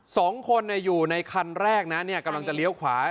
สองคนอยู่ในคันแรกนะกำลังจะเลี้ยวขวา